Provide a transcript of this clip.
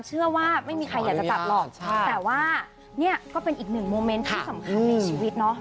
เชื่อว่าไม่มีใครอยากจะจับหรอกแต่ว่าเนี่ยก็เป็นอีกหนึ่งโมเมนต์ที่สำคัญในชีวิตเนาะ